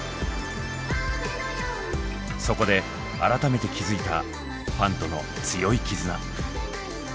そこで改めて気付いたファンとの強い絆。